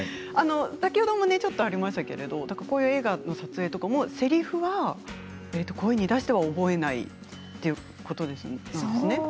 先ほどもありましたけどこういう映画の撮影とかもせりふは声に出しては覚えないということですが。